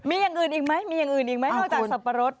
มีอย่างอื่นอีกไหมมีอย่างอื่นอีกไหมนอกจากสับปะรด